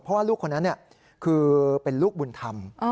เพราะว่าลูกคนนั้นคือเป็นลูกบุญธรรม